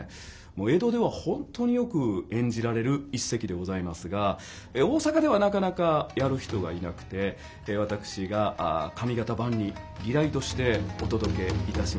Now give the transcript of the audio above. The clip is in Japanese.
もう江戸では本当によく演じられる一席でございますが大阪ではなかなかやる人がいなくてで私が上方版にリライトしてお届けいたします。